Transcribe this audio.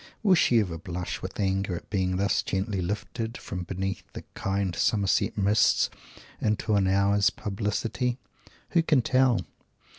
Will she ever blush with anger at being thus gently lifted up, from beneath the kind Somersetshire mists, into an hour's publicity? Who can tell?